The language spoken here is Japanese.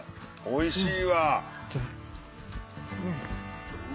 おいしい。